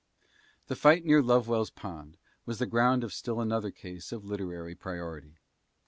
The fight near Lovewell's Pond was the ground of still another case of literary priority.